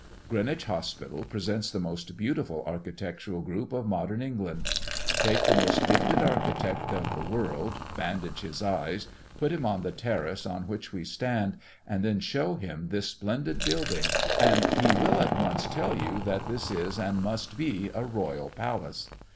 Greenwich Hospital presents the most beautiful architectural group of modern England. Take the most gifted architect of the world, bandage his eyes, put him on the terrace on which we stand, and then show him this splendid building, and he will at once tell you that this is and must be a royal palace.